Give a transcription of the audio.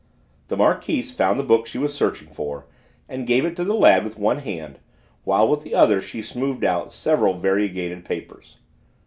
The Marquise found the book she was searching for and gave it to the lad with one hand while with the other she smoothed out several variegated papers.